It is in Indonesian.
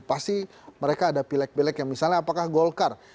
pasti mereka ada pilek pilek yang misalnya apakah golkar